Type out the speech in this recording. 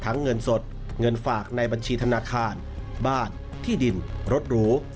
เงินสดเงินฝากในบัญชีธนาคารบ้านที่ดินรถหรู